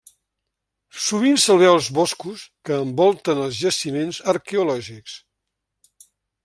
Sovint se'l veu als boscos que envolten els jaciments arqueològics.